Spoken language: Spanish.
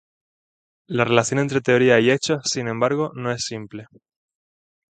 La relación entre teoría y hechos, sin embargo, no es simple.